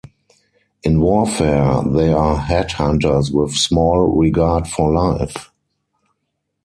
In warfare they are headhunters with small regard for life.